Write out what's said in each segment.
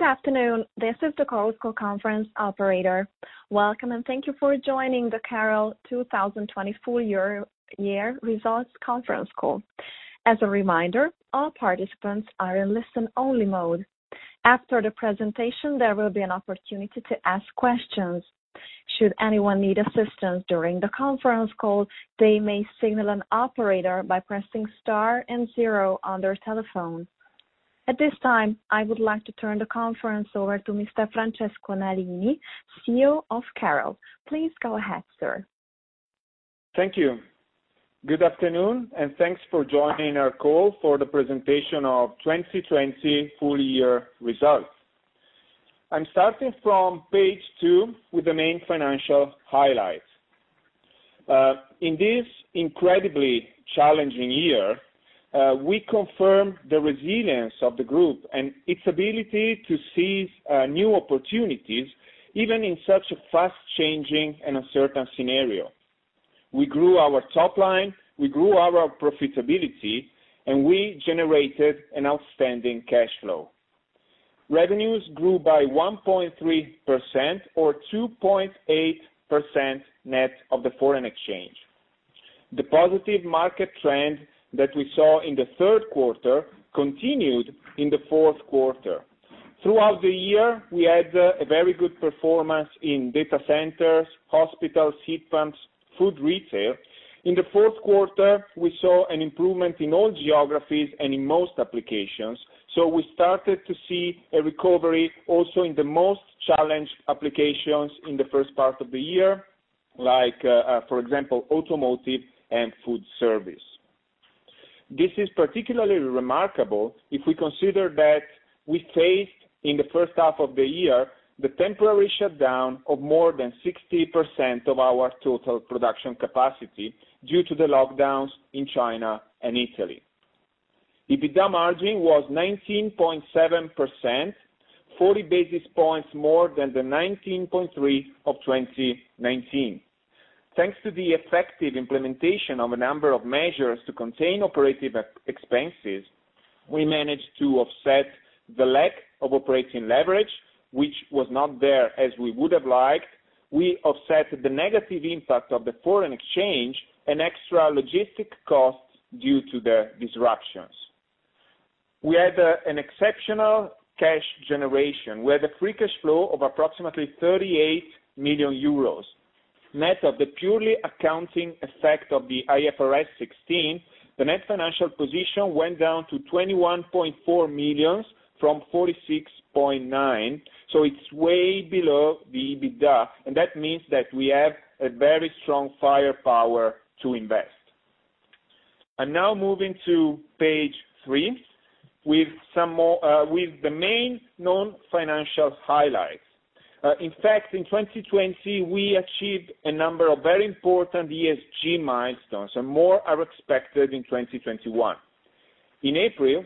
Good afternoon. This is the Chorus Call conference operator. Welcome, and thank you for joining the Carel 2020 Full Year Results Conference Call. As a reminder, all participants are in listen-only mode. After the presentation, there will be an opportunity to ask questions. Should anyone need assistance during the conference call, they may signal an operator by pressing star and zero on their telephone. At this time, I would like to turn the conference over to Mr. Francesco Nalini, CEO of Carel. Please go ahead, sir. Thank you. Good afternoon, and thanks for joining our call for the presentation of 2020 full year results. I'm starting from page two with the main financial highlights. In this incredibly challenging year, we confirmed the resilience of the group and its ability to seize new opportunities, even in such a fast-changing and uncertain scenario. We grew our top line, we grew our profitability, and we generated an outstanding cash flow. Revenues grew by 1.3% or 2.8% net of the foreign exchange. The positive market trend that we saw in the third quarter continued in the fourth quarter. Throughout the year, we had a very good performance in data centers, hospitals, heat pumps, food retail. In the fourth quarter, we saw an improvement in all geographies and in most applications. We started to see a recovery also in the most challenged applications in the first part of the year, like, for example, automotive and food service. This is particularly remarkable if we consider that we faced, in the first half of the year, the temporary shutdown of more than 60% of our total production capacity due to the lockdowns in China and Italy. EBITDA margin was 19.7%, 40 basis points more than the 19.3% of 2019. Thanks to the effective implementation of a number of measures to contain operative expenses, we managed to offset the lack of operating leverage, which was not there as we would have liked. We offset the negative impact of the foreign exchange and extra logistic costs due to the disruptions. We had an exceptional cash generation. We had a free cash flow of approximately 38 million euros, net of the purely accounting effect of the IFRS 16. The net financial position went down to 21.4 million from 46.9 million, so it's way below the EBITDA, and that means that we have a very strong firepower to invest. I'm now moving to page three with the main non-financial highlights. In fact, in 2020, we achieved a number of very important ESG milestones, and more are expected in 2021. In April,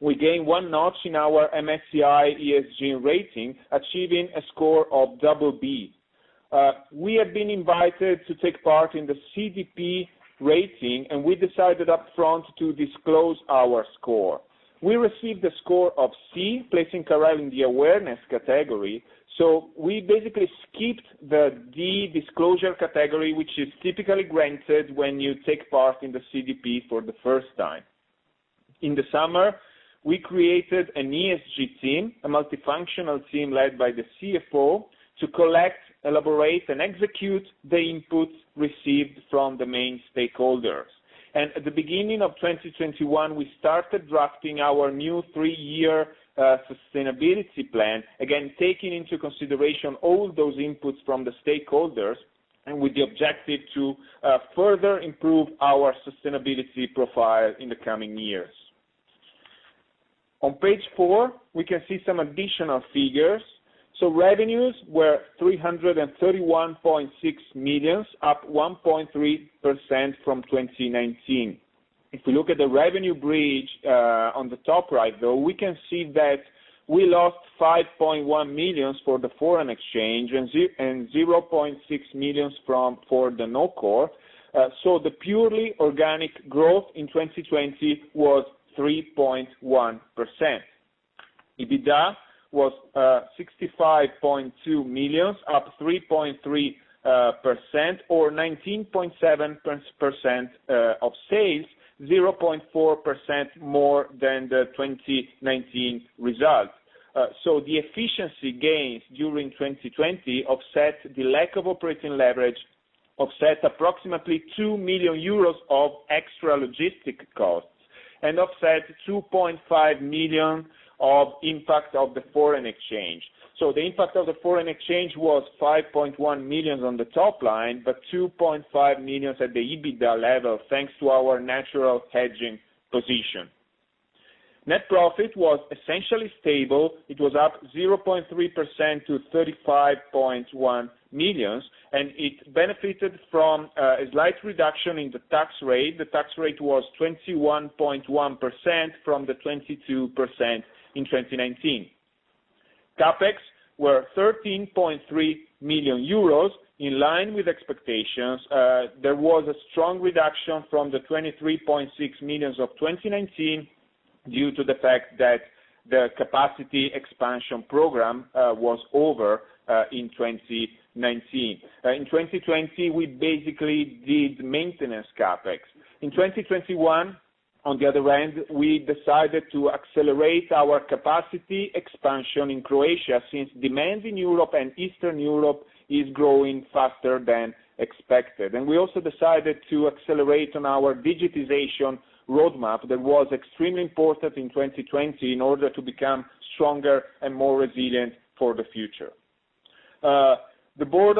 we gained one notch in our MSCI ESG rating, achieving a score of BB. We have been invited to take part in the CDP rating, and we decided up front to disclose our score. We received a score of C, placing Carel in the awareness category. We basically skipped the D disclosure category, which is typically granted when you take part in the CDP for the first time. In the summer, we created an ESG team, a multifunctional team led by the CFO, to collect, elaborate, and execute the inputs received from the main stakeholders. At the beginning of 2021, we started drafting our new three-year sustainability plan, again, taking into consideration all those inputs from the stakeholders and with the objective to further improve our sustainability profile in the coming years. On page four, we can see some additional figures. Revenues were 331.6 million, up 1.3% from 2019. If we look at the revenue bridge on the top right, though, we can see that we lost 5.1 million for the foreign exchange and 0.6 million for the non-core. The purely organic growth in 2020 was 3.1%. EBITDA was 65.2 million, up 3.3% or 19.7% of sales, 0.4% more than the 2019 results. The efficiency gains during 2020 offset the lack of operating leverage, offset approximately 2 million euros of extra logistic costs, and offset 2.5 million of impact of the foreign exchange. The impact of the foreign exchange was 5.1 million on the top line, but 2.5 million at the EBITDA level, thanks to our natural hedging position. Net profit was essentially stable. It was up 0.3% to 35.1 million, and it benefited from a slight reduction in the tax rate. The tax rate was 21.1% from the 22% in 2019. CapEx were 13.3 million euros, in line with expectations. There was a strong reduction from the 23.6 million of 2019. Due to the fact that the capacity expansion program was over in 2019. In 2020, we basically did maintenance CapEx. In 2021, on the other hand, we decided to accelerate our capacity expansion in Croatia, since demand in Europe and Eastern Europe is growing faster than expected. We also decided to accelerate on our digitization roadmap that was extremely important in 2020 in order to become stronger and more resilient for the future. The board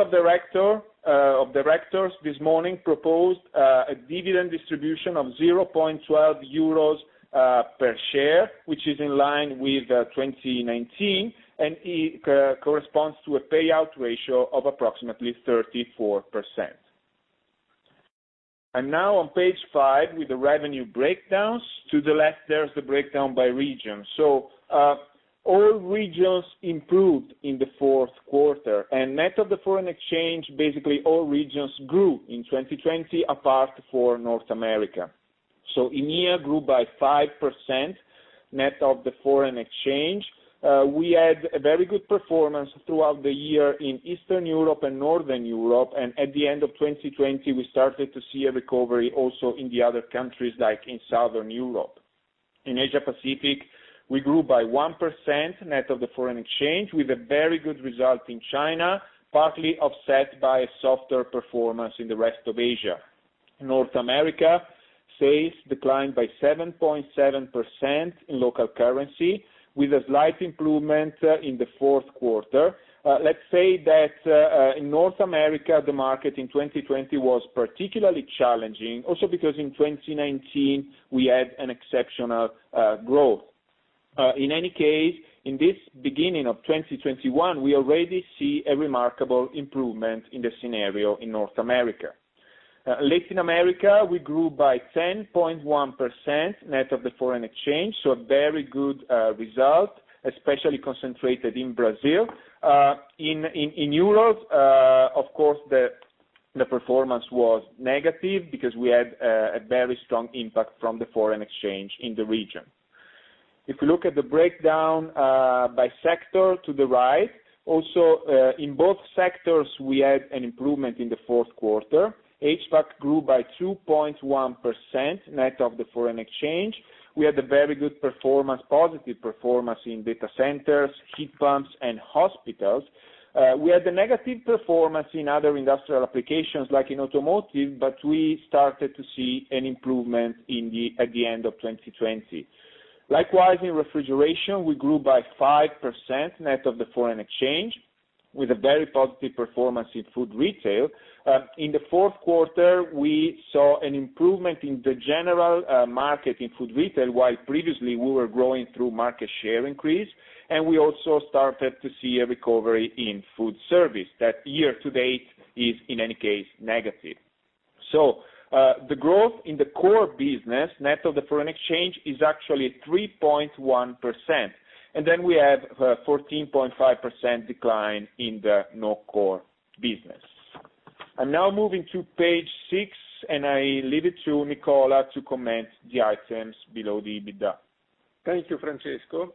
of directors this morning proposed a dividend distribution of 0.12 euros per share, which is in line with 2019, and it corresponds to a payout ratio of approximately 34%. Now on page five, with the revenue breakdowns. To the left, there's the breakdown by region. All regions improved in the fourth quarter. Net of the foreign exchange, basically all regions grew in 2020, apart for North America. EMEA grew by 5%, net of the foreign exchange. We had a very good performance throughout the year in Eastern Europe and Northern Europe, and at the end of 2020, we started to see a recovery also in the other countries, like in Southern Europe. In Asia Pacific, we grew by 1%, net of the foreign exchange, with a very good result in China, partly offset by a softer performance in the rest of Asia. North America sales declined by 7.7% in local currency, with a slight improvement in the fourth quarter. Let's say that in North America, the market in 2020 was particularly challenging, also because in 2019, we had an exceptional growth. In any case, in this beginning of 2021, we already see a remarkable improvement in the scenario in North America. Latin America, we grew by 10.1%, net of the foreign exchange. A very good result, especially concentrated in Brazil. In euros, of course, the performance was negative because we had a very strong impact from the foreign exchange in the region. If you look at the breakdown by sector to the right, also in both sectors, we had an improvement in the fourth quarter. HVAC grew by 2.1%, net of the foreign exchange. We had a very good performance, positive performance in data centers, heat pumps and hospitals. We had a negative performance in other industrial applications like in automotive, but we started to see an improvement at the end of 2020. Likewise, in refrigeration, we grew by 5%, net of the foreign exchange, with a very positive performance in food retail. In the fourth quarter, we saw an improvement in the general market in food retail, while previously we were growing through market share increase, and we also started to see a recovery in food service that year to date is, in any case, negative. The growth in the core business, net of the foreign exchange, is actually 3.1%. We have 14.5% decline in the non-core business. I'm now moving to page six, and I leave it to Nicola to comment the items below the EBITDA. Thank you, Francesco.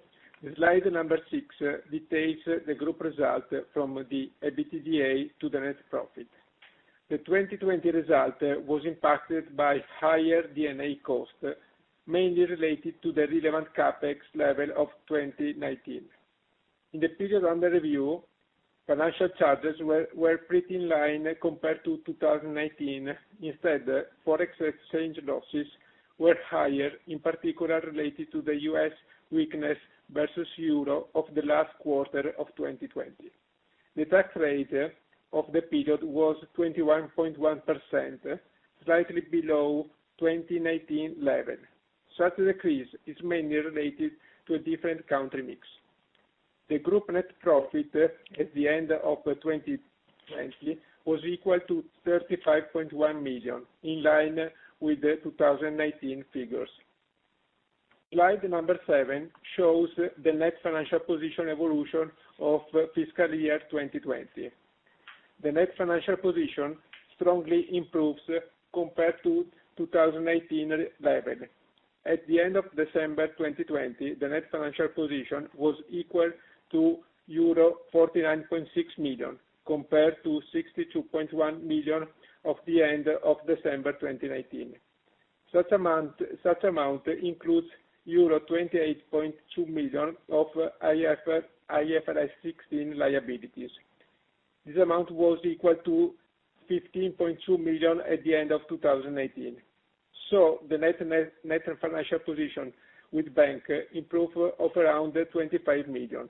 Slide number six details the group result from the EBITDA to the net profit. The 2020 result was impacted by higher D&A costs, mainly related to the relevant CapEx level of 2019. In the period under review, financial charges were pretty in line compared to 2019. Instead, foreign exchange losses were higher, in particular related to the U.S. weakness versus Europe of the last quarter of 2020. The tax rate of the period was 21.1%, slightly below 2019 level. Such a decrease is mainly related to a different country mix. The group net profit at the end of 2020 was equal to 35.1 million, in line with the 2019 figures. Slide number seven shows the net financial position evolution of fiscal year 2020. The net financial position strongly improves compared to 2019 level. At the end of December 2020, the net financial position was equal to euro 49.6 million, compared to 62.1 million of the end of December 2019. Such amount includes euro 28.2 million of IFRS 16 liabilities. This amount was equal to 15.2 million at the end of 2019. The net financial position with bank improved of around 25 million.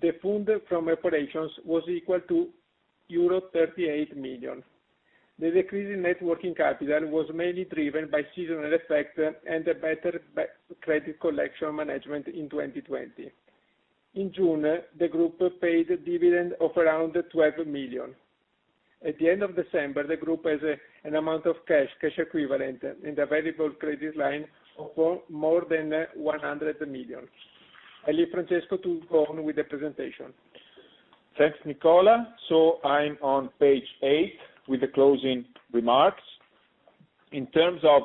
The fund from operations was equal to euro 38 million. The decrease in net working capital was mainly driven by seasonal effect and a better credit collection management in 2020. In June, the group paid a dividend of around 12 million. At the end of December, the group has an amount of cash equivalent in the available credit line of more than 100 million. I leave Francesco to go on with the presentation. Thanks, Nicola. I'm on page eight with the closing remarks. In terms of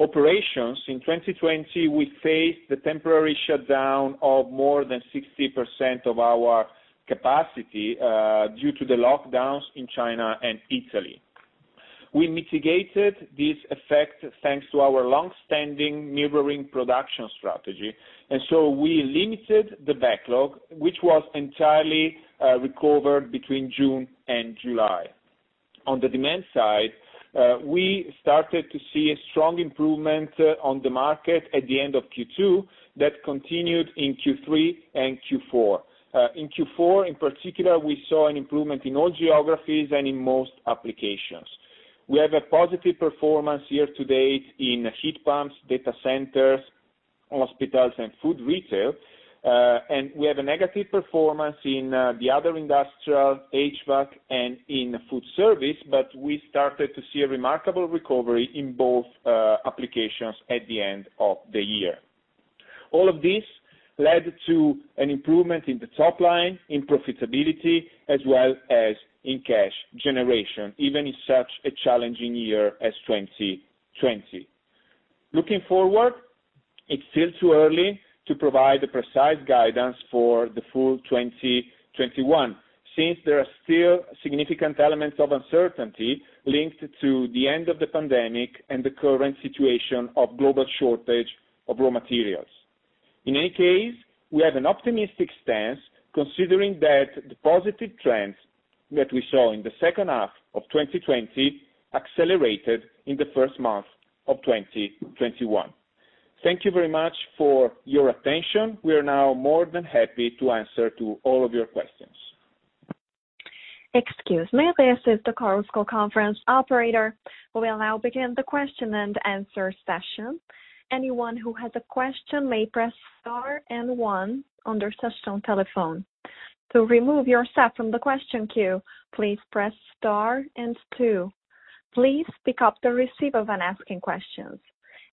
operations, in 2020, we faced the temporary shutdown of more than 60% of our capacity due to the lockdowns in China and Italy. We mitigated this effect thanks to our longstanding mirroring production strategy, and so we limited the backlog, which was entirely recovered between June and July. On the demand side, we started to see a strong improvement on the market at the end of Q2 that continued in Q3 and Q4. In Q4, in particular, we saw an improvement in all geographies and in most applications. We have a positive performance year-to-date in heat pumps, data centers, hospitals, and food retail. We have a negative performance in the other industrial HVAC and in food service, but we started to see a remarkable recovery in both applications at the end of the year. All of this led to an improvement in the top line, in profitability, as well as in cash generation, even in such a challenging year as 2020. Looking forward, it's still too early to provide a precise guidance for the full 2021, since there are still significant elements of uncertainty linked to the end of the pandemic and the current situation of global shortage of raw materials. We have an optimistic stance considering that the positive trends that we saw in the second half of 2020 accelerated in the first month of 2021. Thank you very much for your attention. We are now more than happy to answer to all of your questions. Excuse me this is the Chorus Call conference operator, we will now begin the question-and-answer session anyone who has a question may press star and one on their touchtone telephone. To remove yourself from the question queue please press star and two. Please pick up the receiver when asking question.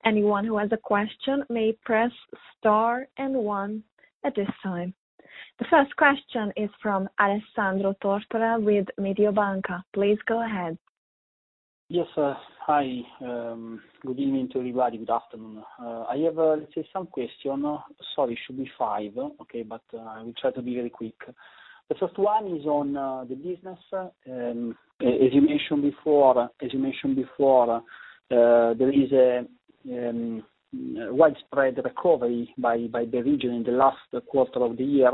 Anyone who has a question may press star and one at this time. The first question is from Alessandro Tortora with Mediobanca. Please go ahead. Yes, hi. Good evening to everybody. Good afternoon. I have, let's say, some question. Sorry, it should be five, okay, but I will try to be very quick. The first one is on the business. As you mentioned before, there is a widespread recovery by the region in the last quarter of the year.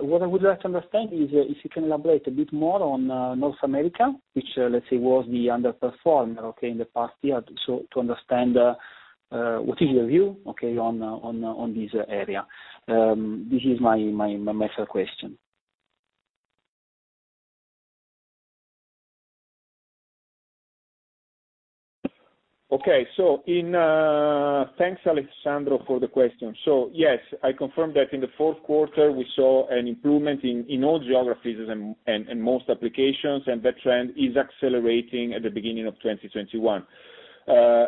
What I would like to understand is if you can elaborate a bit more on North America, which, let's say, was the underperformer, okay, in the past year. To understand what is your view, okay, on this area. This is my first question. Okay. Thanks, Alessandro, for the question. Yes, I confirm that in the fourth quarter, we saw an improvement in all geographies and most applications, and that trend is accelerating at the beginning of 2021.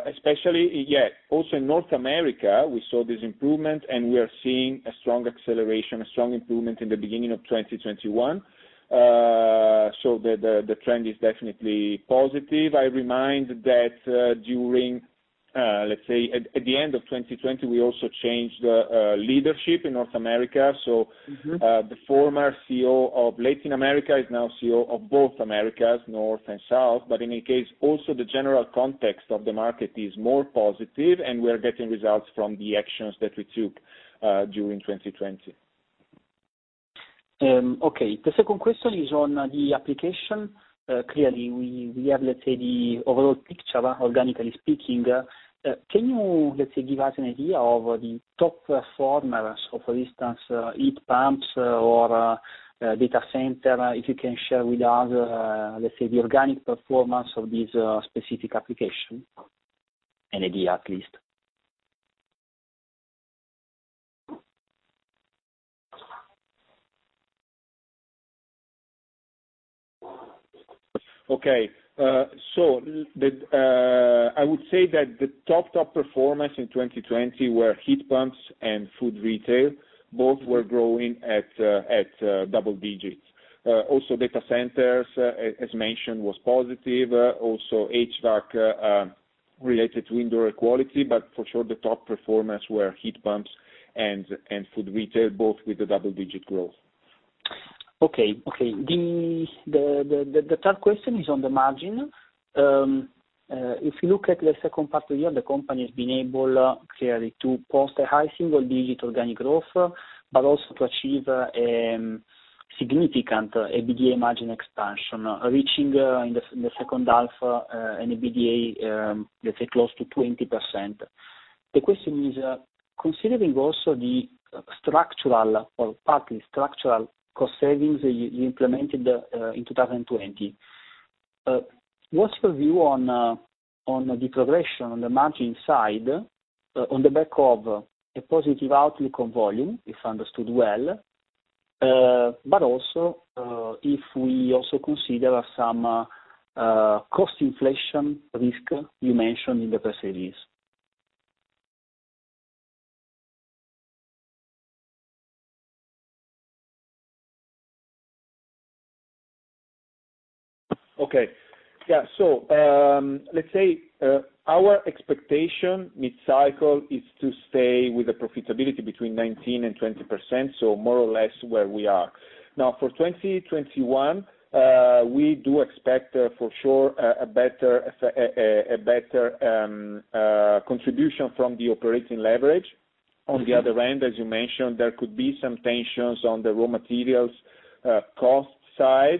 Especially, also in North America, we saw this improvement, and we are seeing a strong acceleration, a strong improvement in the beginning of 2021. The trend is definitely positive. I remind that during, let's say, at the end of 2020, we also changed leadership in North America. The former CEO of Latin America is now CEO of both Americas, North and South. In any case, also the general context of the market is more positive, and we are getting results from the actions that we took during 2020. Okay. The second question is on the application. Clearly, we have, let's say, the overall picture, organically speaking. Can you, let's say, give us an idea of the top performers, for instance, heat pumps or data center? If you can share with us, let's say, the organic performance of these specific application, an idea at least. I would say that the top performance in 2020 were heat pumps and food retail. Both were growing at double digits. Data centers, as mentioned, was positive. HVAC, related to indoor air quality. For sure, the top performance were heat pumps and food retail, both with a double-digit growth. Okay. The third question is on the margin. If you look at the second part of the year, the company's been able, clearly, to post a high single-digit organic growth, but also to achieve a significant EBITDA margin expansion, reaching in the second half an EBITDA, let's say, close to 20%. The question is, considering also the structural or partly structural cost savings you implemented in 2020, what's your view on the progression on the margin side, on the back of a positive outlook on volume, if understood well, but also, if we also consider some cost inflation risk you mentioned in the press release? Okay. Yeah. Let's say our expectation mid-cycle is to stay with the profitability between 19% and 20%, so more or less where we are now. For 2021, we do expect for sure, a better contribution from the operating leverage. On the other end, as you mentioned, there could be some tensions on the raw materials cost side.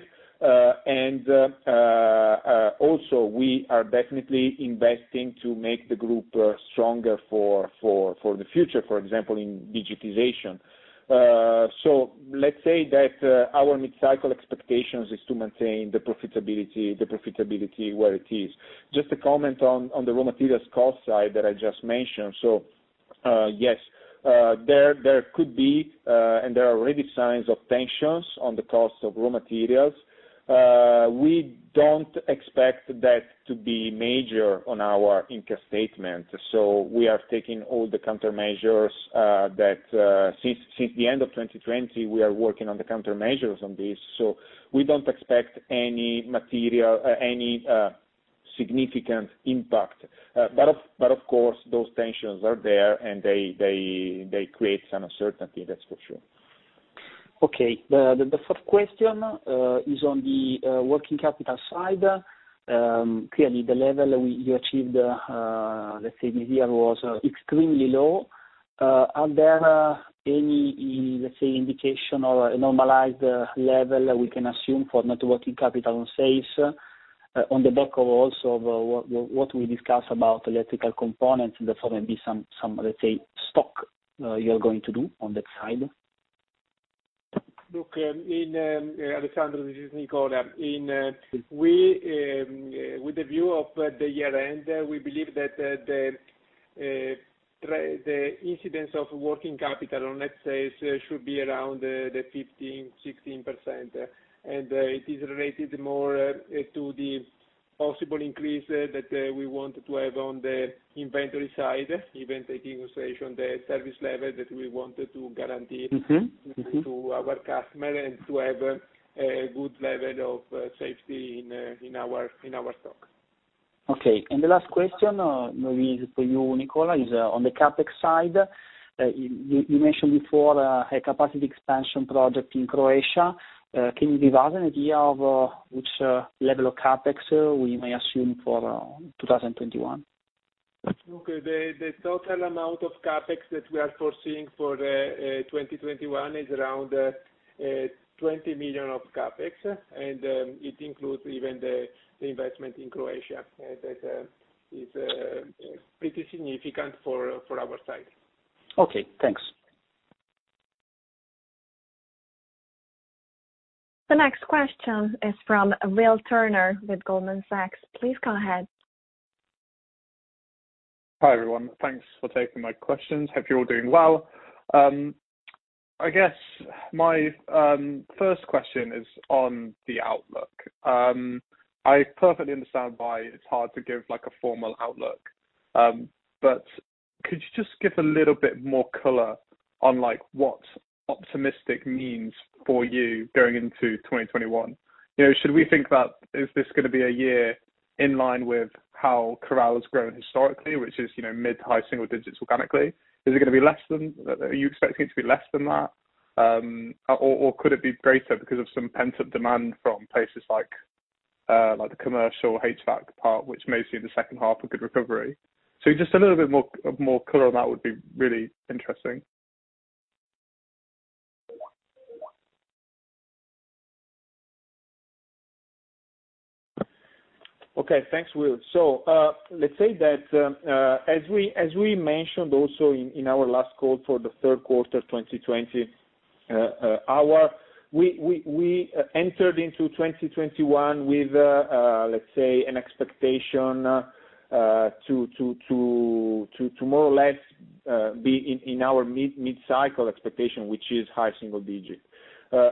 Also we are definitely investing to make the group stronger for the future, for example, in digitization. Let's say that our mid-cycle expectations is to maintain the profitability where it is. Just a comment on the raw materials cost side that I just mentioned. Yes, there could be, and there are already signs of tensions on the cost of raw materials. We don't expect that to be major on our income statement. We are taking all the countermeasures, that since the end of 2020, we are working on the countermeasures on this. We don't expect any significant impact. Of course, those tensions are there, and they create some uncertainty, that's for sure. Okay. The third question is on the working capital side. Clearly the level you achieved, let's say this year, was extremely low. Are there any, let's say, indication or a normalized level that we can assume for net working capital on sales? On the back of also what we discussed about electrical components and there's probably some, let's say, stock, you're going to do on that side. Look, Alessandro, this is Nicola. With the view of the year-end, we believe that the incidence of working capital on net sales should be around the 15%, 16%. It is related more to the possible increase that we want to have on the inventory side, even taking consideration the service level that we wanted to guarantee. To our customer and to have a good level of safety in our stock. Okay. The last question, maybe is for you, Nicola, is on the CapEx side. You mentioned before a capacity expansion project in Croatia. Can you give us an idea of which level of CapEx we may assume for 2021? Okay. The total amount of CapEx that we are foreseeing for 2021 is around 20 million of CapEx, and it includes even the investment in Croatia. That is pretty significant for our side. Okay, thanks. The next question is from Will Turner with Goldman Sachs. Please go ahead. Hi, everyone. Thanks for taking my questions. Hope you're all doing well. I guess my first question is on the outlook. I perfectly understand why it's hard to give a formal outlook. Could you just give a little bit more color on what optimistic means for you going into 2021? Should we think that, is this going to be a year in line with how Carel has grown historically, which is mid to high single digits organically? Are you expecting it to be less than that? Could it be greater because of some pent-up demand from places like the commercial HVAC part, which may see in the second half, a good recovery? Just a little bit more color on that would be really interesting. Okay. Thanks, Will. Let's say that, as we mentioned also in our last call for the third quarter 2020, we entered into 2021 with, let's say, an expectation to more or less be in our mid-cycle expectation, which is high-single-digit. The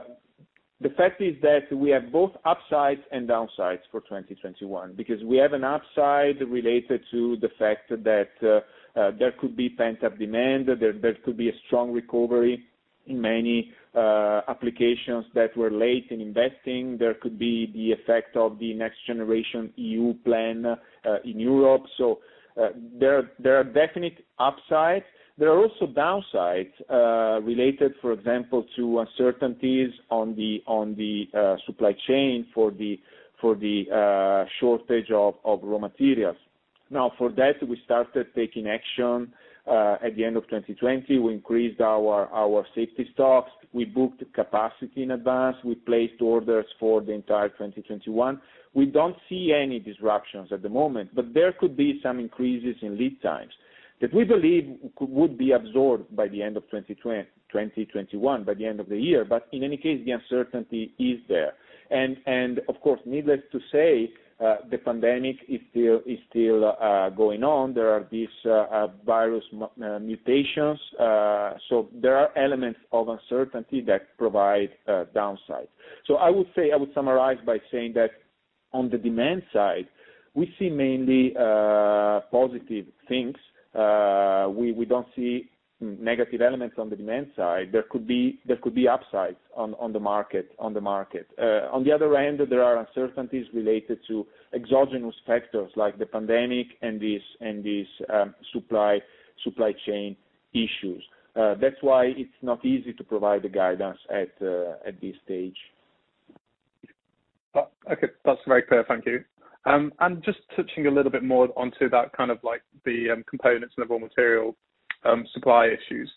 fact is that we have both upsides and downsides for 2021, because we have an upside related to the fact that there could be pent-up demand, there could be a strong recovery in many applications that were late in investing. There could be the effect of the NextGenerationEU plan in Europe. There are definite upsides. There are also downsides, related, for example, to uncertainties on the supply chain for the shortage of raw materials. Now, for that, we started taking action at the end of 2020. We increased our safety stocks. We booked capacity in advance. We placed orders for the entire 2021. We don't see any disruptions at the moment, but there could be some increases in lead times that we believe would be absorbed by the end of 2021, by the end of the year. In any case, the uncertainty is there. Of course, needless to say, the pandemic is still going on. There are these virus mutations. There are elements of uncertainty that provide downsides. I would summarize by saying that, on the demand side, we see mainly positive things. We don't see negative elements on the demand side. There could be upsides on the market. There are uncertainties related to exogenous factors like the pandemic and these supply chain issues. It's not easy to provide the guidance at this stage. Okay. That's very clear. Thank you. Just touching a little bit more onto that, kind of like the components and the raw material supply issues.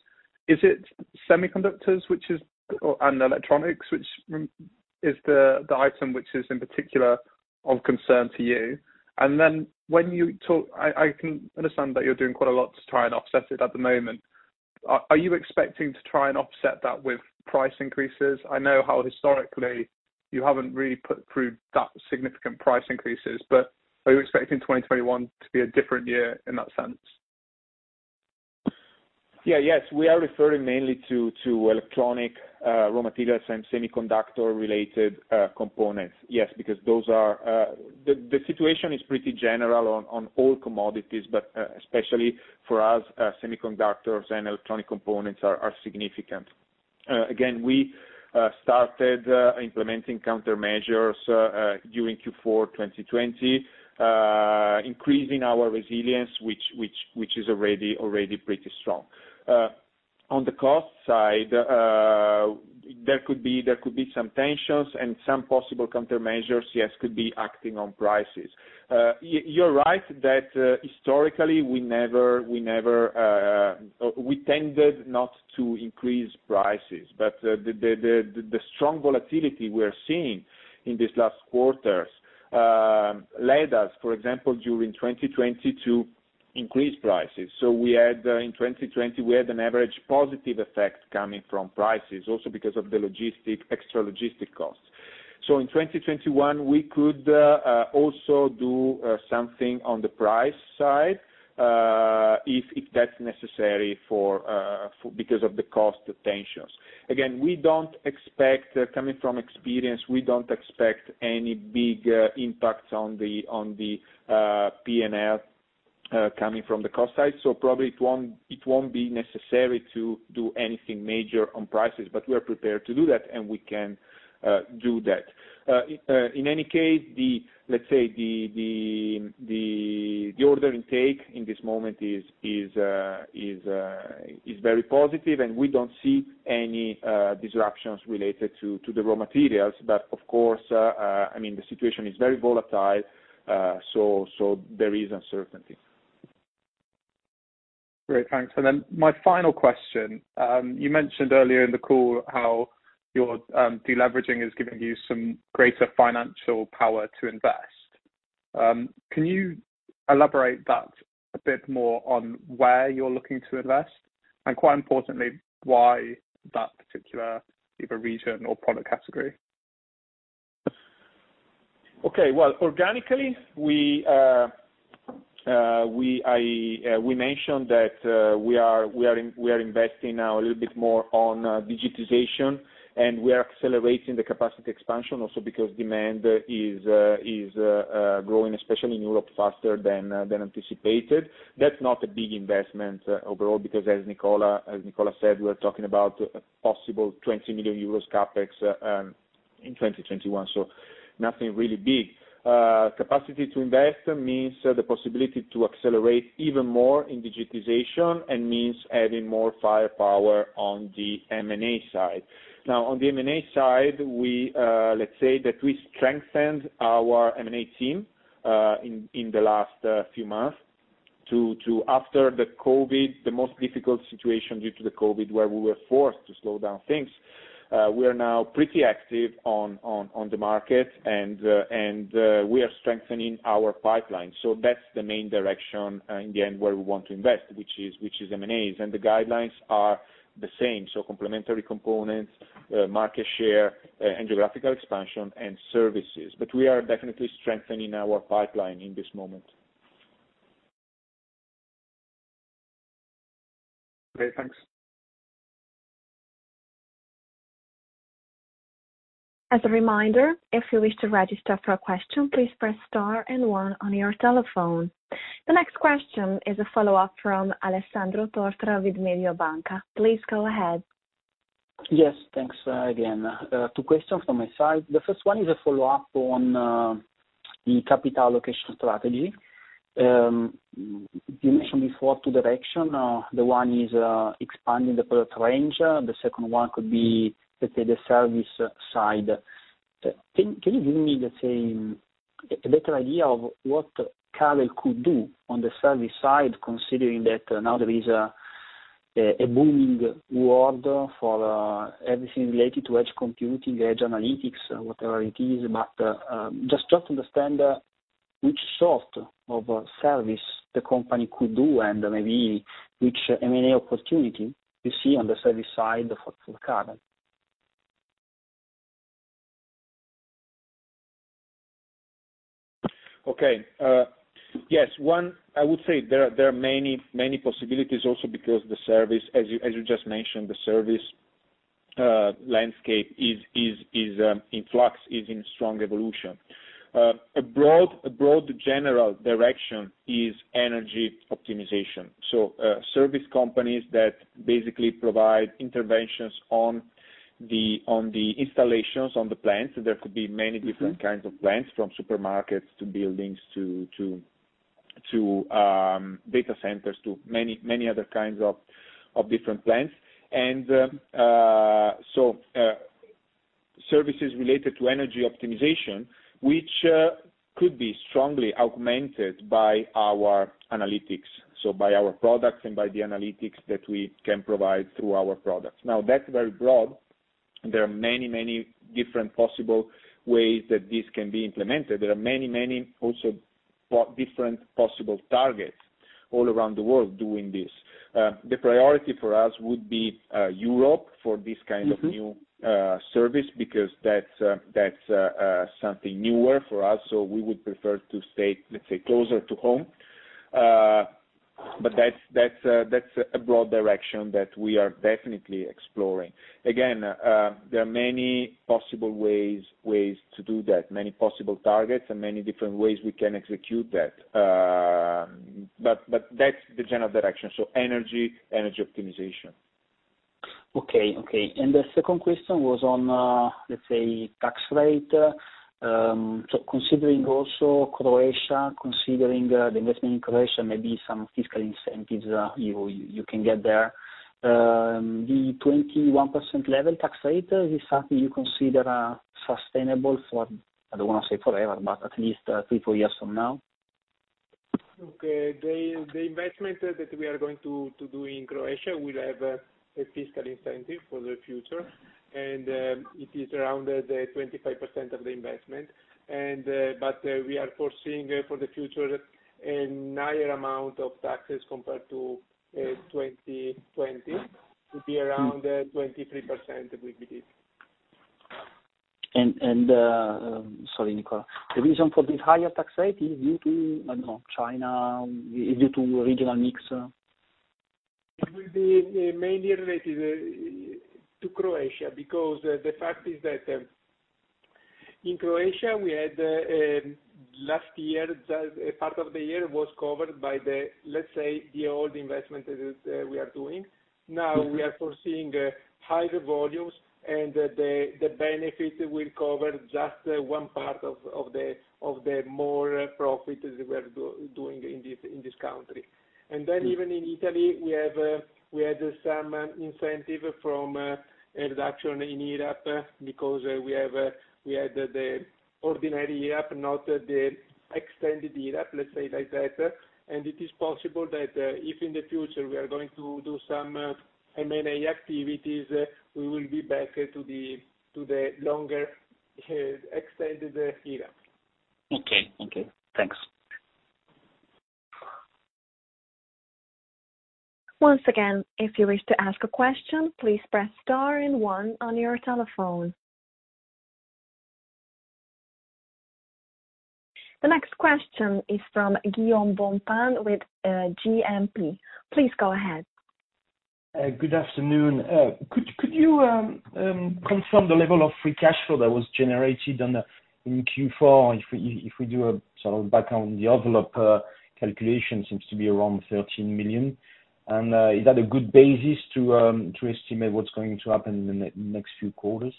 Is it semiconductors and electronics, which is the item which is in particular of concern to you? Then I can understand that you're doing quite a lot to try and offset it at the moment. Are you expecting to try and offset that with price increases? I know how historically you haven't really put through that significant price increases, are you expecting 2021 to be a different year in that sense? Yeah. Yes. We are referring mainly to electronic raw materials and semiconductor-related components. Because the situation is pretty general on all commodities, but especially for us, semiconductors and electronic components are significant. Again, we started implementing countermeasures during Q4 2020, increasing our resilience, which is already pretty strong. On the cost side, there could be some tensions and some possible countermeasures, yes, could be acting on prices. You're right that historically we tended not to increase prices, but the strong volatility we're seeing in these last quarters led us, for example, during 2020, to increase prices. In 2020, we had an average positive effect coming from prices, also because of the extra logistic costs. In 2021, we could also do something on the price side, if that's necessary because of the cost tensions. Coming from experience, we don't expect any big impacts on the P&L coming from the cost side. Probably it won't be necessary to do anything major on prices, but we are prepared to do that, and we can do that. In any case, let's say the order intake in this moment is very positive, and we don't see any disruptions related to the raw materials. Of course, the situation is very volatile, so there is uncertainty. Great. Thanks. My final question. You mentioned earlier in the call how your de-leveraging is giving you some greater financial power to invest. Can you elaborate that a bit more on where you're looking to invest? Quite importantly, why that particular either region or product category? Okay. Well, organically, we mentioned that we are investing now a little bit more on digitization, and we are accelerating the capacity expansion also because demand is growing, especially in Europe, faster than anticipated. That's not a big investment overall because, as Nicola said, we're talking about a possible 20 million euros CapEx in 2021, so nothing really big. Capacity to invest means the possibility to accelerate even more in digitization and means adding more firepower on the M&A side. On the M&A side, let's say that we strengthened our M&A team in the last few months. After the most difficult situation due to the COVID, where we were forced to slow down things, we are now pretty active on the market, and we are strengthening our pipeline. That's the main direction, in the end, where we want to invest, which is M&As. The guidelines are the same. Complementary components, market share, geographical expansion, and services. We are definitely strengthening our pipeline in this moment. Okay, thanks. As a reminder, if you wish to register for a question, please press star and one on your telephone. The next question is a follow-up from Alessandro Tortora with Mediobanca. Please go ahead. Yes. Thanks again. Two questions from my side. The first one is a follow-up on the capital allocation strategy. You mentioned before two direction. The one is expanding the product range. The second one could be, let's say, the service side. Can you give me, let's say, a better idea of what Carel could do on the service side, considering that now there is a booming world for everything related to edge computing, edge analytics, whatever it is, but just try to understand which sort of service the company could do and maybe which M&A opportunity you see on the service side for Carel? Okay. Yes. One, I would say there are many possibilities also because, as you just mentioned, the service landscape is in flux, is in strong evolution. A broad general direction is energy optimization. Service companies that basically provide interventions on the installations, on the plants. There could be many different kinds of plants, from supermarkets to buildings to data centers, to many other kinds of different plants. Services related to energy optimization, which could be strongly augmented by our analytics, so by our products and by the analytics that we can provide through our products. That's very broad. There are many different possible ways that this can be implemented. There are many also different possible targets all around the world doing this. The priority for us would be Europe for this kind of new service, because that's something newer for us. We would prefer to stay, let's say, closer to home. That's a broad direction that we are definitely exploring. Again, there are many possible ways to do that, many possible targets and many different ways we can execute that. That's the general direction. Energy optimization. Okay. The second question was on, let's say, tax rate. Considering also Croatia, considering the investment in Croatia, maybe some fiscal incentives you can get there. The 21% level tax rate, is something you consider sustainable for, I don't want to say forever, but at least three, four years from now? Look, the investment that we are going to do in Croatia will have a fiscal incentive for the future, and it is around 25% of the investment. We are foreseeing for the future a higher amount of taxes compared to 2020, to be around 23%, we believe. Sorry, Nicola. The reason for this higher tax rate is due to, I don't know, China, is due to regional mix? It will be mainly related to Croatia because the fact is that in Croatia, we had last year, a part of the year was covered by the, let's say, the old investment that we are doing. Now we are foreseeing higher volumes, the benefit will cover just one part of the more profit we are doing in this country. Even in Italy, we had some incentive from a reduction in IRAP because we had the ordinary IRAP, not the extended IRAP, let's say it like that. It is possible that, if in the future we are going to do some M&A activities, we will be back to the longer, extended IRAP. Okay. Thanks. Once again, if you wish to ask a question, please press star and one on your telephone. The next question is from Gian Bompun with GMP. Please go ahead. Good afternoon. Could you confirm the level of free cash flow that was generated in Q4? If we do a sort of back on the envelope calculation, seems to be around 13 million. Is that a good basis to estimate what's going to happen in the next few quarters?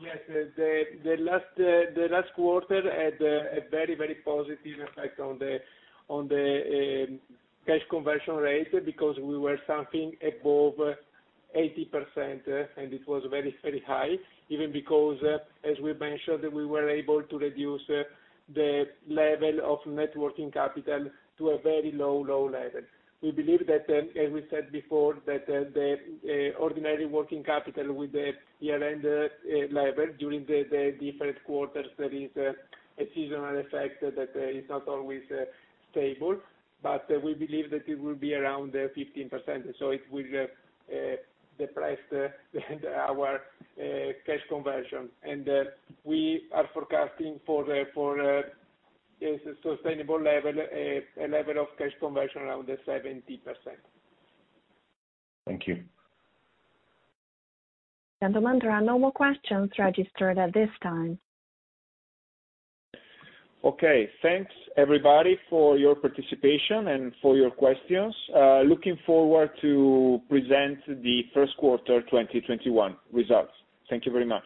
Yes. The last quarter had a very positive effect on the cash conversion rate because we were something above 80%, and it was very high. Even because, as we mentioned, we were able to reduce the level of net working capital to a very low level. We believe that, as we said before, that the ordinary working capital with the year-end level during the different quarters, there is a seasonal effect that is not always stable, but we believe that it will be around 15%, so it will depress our cash conversion. We are forecasting for a sustainable level, a level of cash conversion around 70%. Thank you. Gentlemen, there are no more questions registered at this time. Okay. Thanks everybody for your participation and for your questions. Looking forward to present the first quarter 2021 results. Thank you very much.